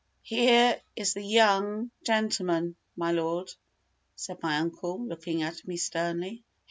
"Here is the young gentleman, my lord," said my uncle, looking at me sternly.